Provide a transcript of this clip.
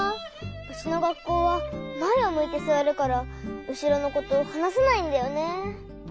うちのがっこうはまえをむいてすわるからうしろのことはなせないんだよね。